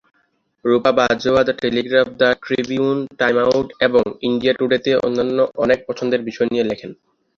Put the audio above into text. Rupa Bajwa" the Telegraph", "the Tribune", "Time Out "এবং "India Today "তে অন্যান্য অনেক পছন্দের বিষয় নিয়ে লেখেন।